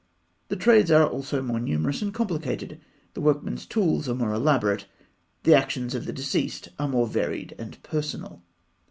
The trades are also more numerous and complicated; the workmen's tools are more elaborate; the actions of the deceased are more varied and personal.